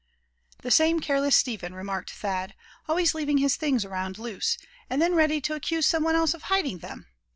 "The same careless Step hen," remarked Thad; "always leaving his things around loose, and then ready to accuse some one else of hiding them.